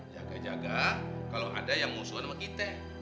jaga jaga kalau ada yang musuhan sama kita